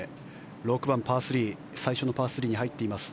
６番、パー３最初のパー３に入っています。